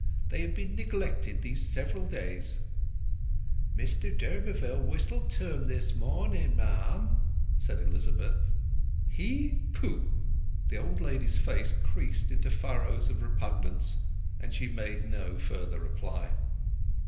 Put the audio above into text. They have been neglected these several days." "Mr d'Urberville whistled to 'em this morning, ma'am," said Elizabeth. "He! Pooh!" The old lady's face creased into furrows of repugnance, and she made no further reply.